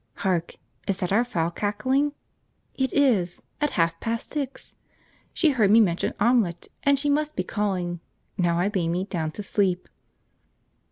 Hark! Is that our fowl cackling? It is, at half past six! She heard me mention omelet and she must be calling, 'Now I lay me down to sleep.'"